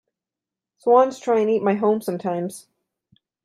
Swans try and eat my home sometimes.